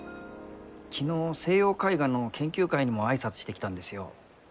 昨日西洋絵画の研究会にも挨拶してきたんですよ。